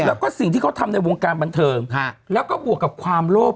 แล้วก็สิ่งที่เขาทำในวงการบันเทิงแล้วก็บวกกับความโลภ